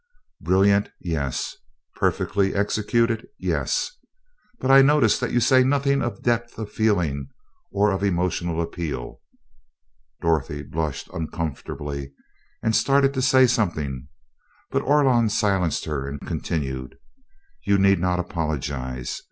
"Brilliant yes. Perfectly executed yes. But I notice that you say nothing of depth of feeling or of emotional appeal." Dorothy blushed uncomfortably and started to say something, but Orlon silenced her and continued: "You need not apologize.